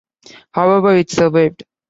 However, it survived.